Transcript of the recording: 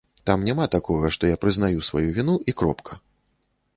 Там няма такога, што я прызнаю сваю віну, і кропка.